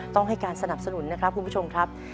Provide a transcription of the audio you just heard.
ต้องให้การสนับสนุนนะครับคุณผู้ชมครับ